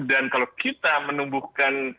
dan kalau kita menumbuhkan